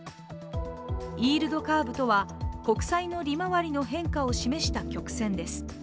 イールドカーブとは国債の利回りの変化を示した曲線です。